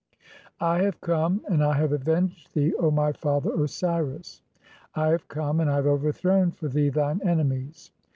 ] (8) "I have come, and I have avenged [thee, O my father "Osiris]. (9) "I have come, and I have overthrown for thee thine ene "mies.